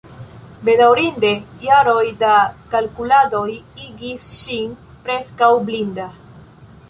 Bedaŭrinde, jaroj da kalkuladoj igis ŝin preskaŭ blinda.